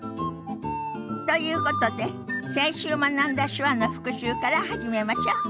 ということで先週学んだ手話の復習から始めましょう。